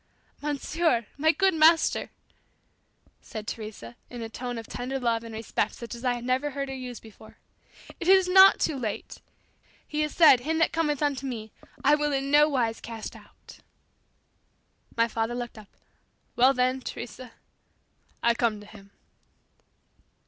"Monsieur! My good Master!" said Teresa, in a tone of tender love and respect such as I had never heard her use before, "It is not too late! He has said, 'Him that cometh unto Me, I will in no wise cast out.'" My father looked up. "Well, then, Teresa I come to Him."